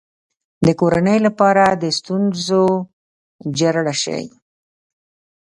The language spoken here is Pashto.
د کورنۍ لپاره د ستونزو جرړه شي.